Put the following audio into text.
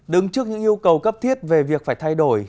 đứng trước những yêu cầu cấp thiết về việc phải thay đổi